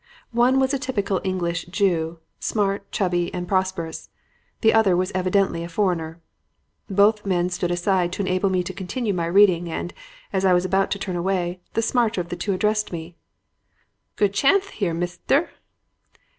One was a typical English Jew, smart, chubby and prosperous; the other was evidently a foreigner. "Both men stood aside to enable me to continue my reading, and, as I was about to turn away, the smarter of the two addressed me. "'Good chanth here, misther.